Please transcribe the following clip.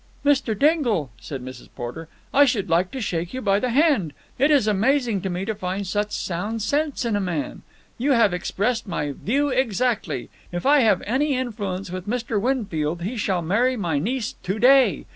"Mr. Dingle," said Mrs. Porter, "I should like to shake you by the hand. It is amazing to me to find such sound sense in a man. You have expressed my view exactly. If I have any influence with Mr. Winfield, he shall marry my niece to day.